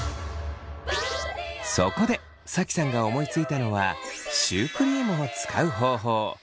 そこでＳａｋｉさんが思いついたのはシュークリームを使う方法。